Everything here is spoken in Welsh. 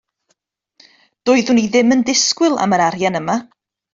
Doeddwn i ddim yn disgwyl am yr arian yma.